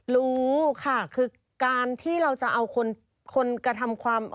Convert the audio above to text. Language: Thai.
รู้ค่ะคือการที่เราจะเอาคนกระทำความ